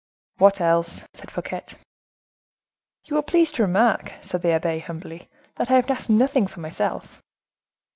"What else?" said Fouquet. "You will please to remark," said the abbe, humbly, "that I have asked nothing for myself."